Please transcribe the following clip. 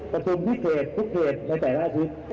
ประชุมที่เกิดทุกเขตในแต่ละอาทิตย์